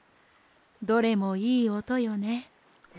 どれもいいおとよね。